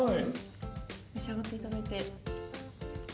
召し上がっていただいて。